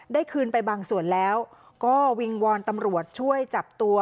คืนไปบางส่วนแล้วก็วิงวอนตำรวจช่วยจับตัว